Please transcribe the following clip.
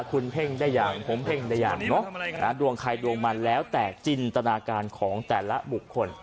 คุณเพ่งได้อย่างผมเพ่งได้อย่างเนอะดวงใครดวงมันแล้วแต่จินตนาการของแต่ละบุคคล